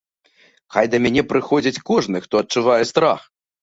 Хай да мяне прыходзіць кожны, хто адчувае страх.